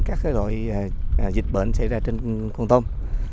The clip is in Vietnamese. các loại dịch bệnh xảy ra trên con tôm